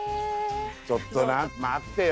ちょっと待ってよ